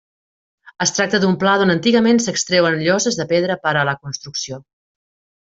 Es tracta d'un pla d'on antigament s'extreuen lloses de pedra per a la construcció.